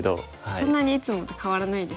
そんなにいつもと変わらないですか？